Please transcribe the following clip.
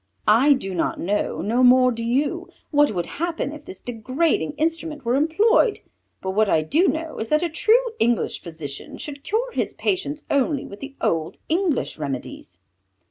"I do not know, no more do you, what would happen if this degrading instrument were employed, but what I do know is that a true English physician should cure his patients only with the old English remedies."